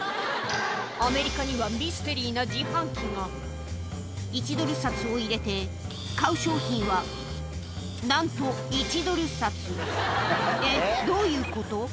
アメリカにはミステリーな自販機が１ドル札を入れて買う商品はなんと１ドル札えっどういうこと？